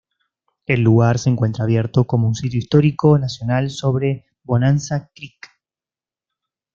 El lugar se encuentra abierto como un sitio histórico nacional sobre Bonanza Creek.